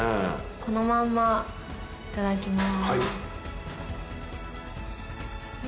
このままいただきます。